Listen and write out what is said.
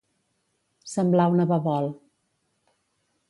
Semblar un ababol.